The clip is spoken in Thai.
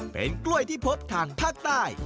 เป็นกล้วยที่พบทางภาคใต้